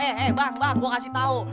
eh bang bang gue kasih tau